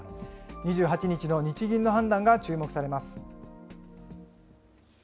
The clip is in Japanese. ２８日の日銀の判断が注目されます。